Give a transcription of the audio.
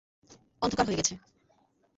অন্ধকার হয়ে গেছে।